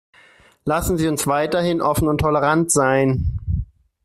Lassen Sie uns weiterhin offen und tolerant sein.